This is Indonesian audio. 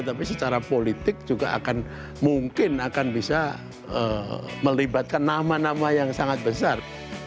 tapi secara politik juga akan mungkin akan bisa melibatkan nama nama yang sangat besar